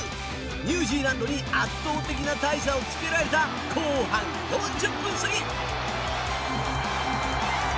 ニュージーランドに圧倒的な大差をつけられた後半４０分過ぎ。